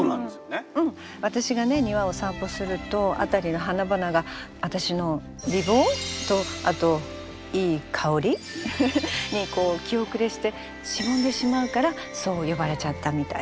庭を散歩すると辺りの花々が私の美貌？とあといい香り？に気後れしてしぼんでしまうからそう呼ばれちゃったみたい。